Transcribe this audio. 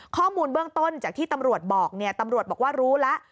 ข้อมูลเบื้องต้นจากที่ตำรวจบอกเนี่ยตำรวจบอกว่ารู้แล้ว